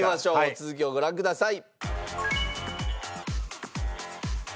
続きをご覧ください。